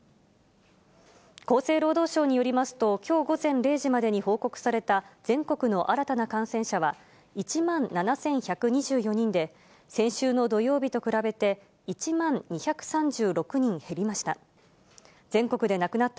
厚生労働省によりますと、きょう午前０時までに報告された全国の新たな感染者は、１万７１２４人で、先週の土曜日と比べて、１万２３６人減りました。